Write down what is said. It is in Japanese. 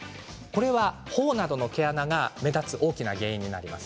ほおなどの毛穴が目立つ大きな原因になります。